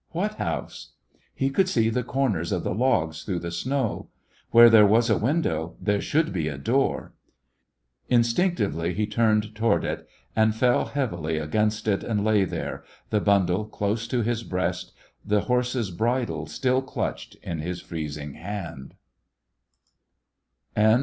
What house? He could see the comers of the logs through the snow. Where there was a window there should be a door. Instinctively he turned to ward it, and fell heavily against it and lay there, the bundle close to his breast, the horse's bridle still clutched in his freezing hand.